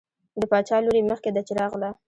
د باچا لور یې مخکې ده چې راغله.